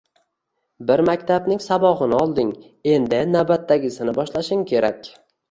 Bir maktabning sabog‘ini olding, endi navbatdagisini boshlashing kerak.